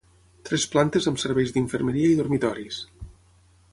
Tres plantes amb serveis d'infermeria i dormitoris.